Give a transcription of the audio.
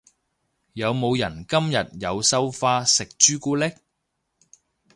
有冇人今日有收花食朱古力？